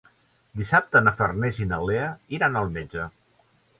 Dissabte na Farners i na Lea iran al metge.